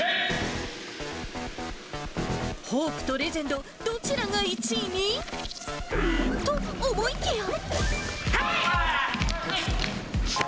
ホープとレジェンド、どちらが１位に？と思いきや。